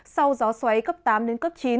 sau gió xoáy cấp tám đến cấp chín